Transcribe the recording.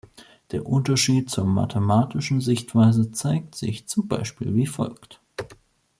Der Unterschied zur mathematischen Sichtweise zeigt sich zum Beispiel wie folgt.